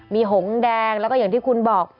มีหงแดงแล้วก็อย่างที่คุณบอก